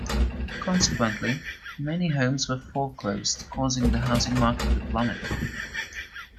Consequently, many homes were foreclosed, causing the housing market to plummet.